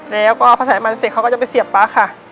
แล้วก็พอใส่มันเสร็จเขาก็จะไปเสียบป๊าค่ะ